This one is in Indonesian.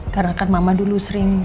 karena kan mama dulu sering